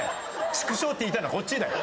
「チクショー！！」って言いたいのはこっちだよ。